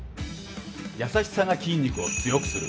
優しさが筋肉を強くする！